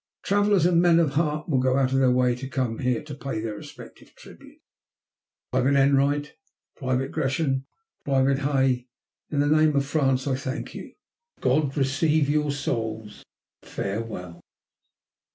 Travellers and men of heart will go out of their way to come here to pay their respective tributes. "Private Enright! Private Gresham! Private Hay! In the name of France I thank you. God receive your souls. Farewell!"